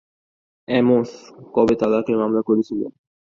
Amos, কবে তালাকের মামলা করেছিলেন?